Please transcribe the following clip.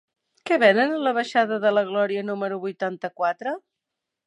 Què venen a la baixada de la Glòria número vuitanta-quatre?